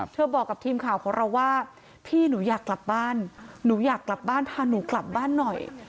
บอกกับทีมข่าวของเราว่าพี่หนูอยากกลับบ้านหนูอยากกลับบ้านพาหนูกลับบ้านหน่อย